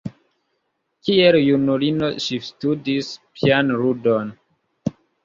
Kiel junulino ŝi studis pianludon.